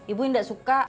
ibu nggak suka